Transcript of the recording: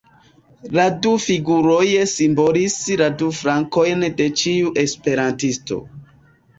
La du figuroj simbolis la du flankojn de ĉiu esperantisto.